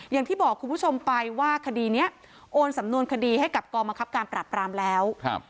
อย่างที่บอกคุณผู้ชมไปว่าคดีนี้โอนสำนวนคดีให้กับกองบังคับการปราบรามแล้ว